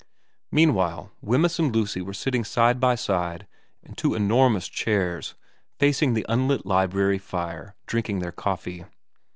Meanwhile Wemyss and Lucy were sitting side by side in two enormous chairs facing the unlit library fire drinking their coffee.